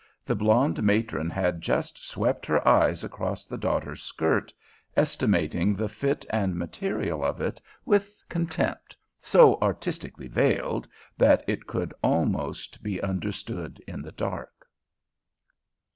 The blonde matron had just swept her eyes across the daughter's skirt, estimating the fit and material of it with contempt so artistically veiled that it could almost be understood in the dark.